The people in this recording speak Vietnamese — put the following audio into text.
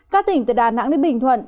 các tỉnh từ đà nẵng đến bình thuận